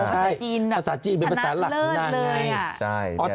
ภาษาจีนธนัดเลิศเลยภาษาจีนเป็นภาษาหลักของนางไงใช่ใช่